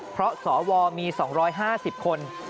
เพราะสวมี๒๕๐คน